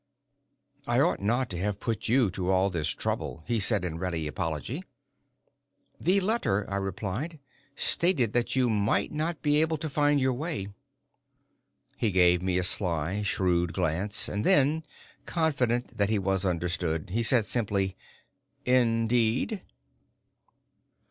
"I ought not to have put you to all this trouble," he said, in ready apology. "The letter," I replied, "stated that you might not be able to find your way." He gave me a sly, shrewd glance, and then, confident that he was understood, he said simply, "Indeed?"